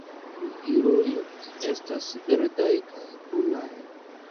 La flugiloj estas verdaj kaj brunaj.